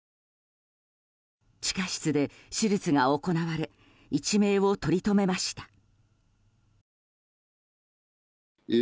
地下室で手術が行われ一命を取り留めました。